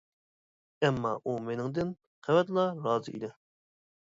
ئەمما ئۇ مېنىڭدىن قەۋەتلا رازى ئىدى.